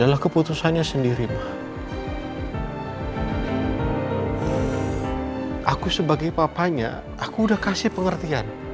aku sebagai papanya aku udah kasih pengertian